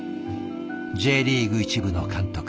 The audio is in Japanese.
Ｊリーグ１部の監督。